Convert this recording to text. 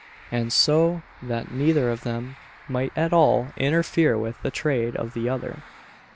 so that neither of them might at all interfere with the trade of the other.